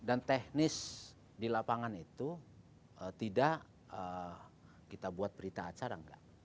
dan teknis di lapangan itu tidak kita buat berita acara tidak